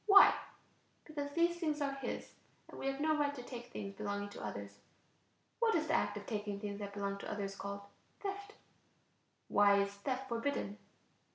Why? Because these things are his and we have no right to take things belonging to others. What is the act of taking things that belong to others called? Theft. Why is theft forbidden?